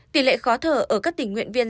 tỷ lệ khó thở ở các tình nguyện viên